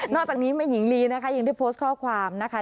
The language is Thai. อกจากนี้แม่หญิงลีนะคะยังได้โพสต์ข้อความนะคะ